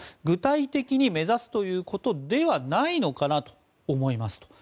具体的に目指すということではないのかなと思います。